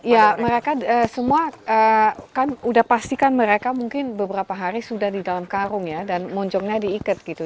ya mereka semua kan udah pastikan mereka mungkin beberapa hari sudah di dalam karung ya dan moncongnya diikat gitu